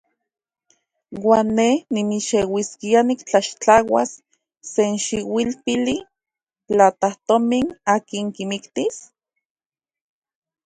¿Uan ne nimixeuiskia nitlaxtlauas senxikipili platajtomin akin kimiktis?